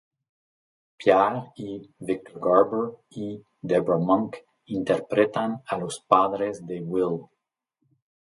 Pierre, y Victor Garber y Debra Monk interpretan a los padres de Will.